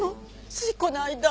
ついこの間。